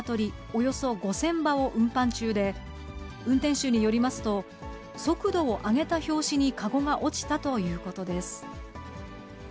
およそ５０００羽を運搬中で、運転手によりますと、速度を上げた拍子に籠が落ちたということです。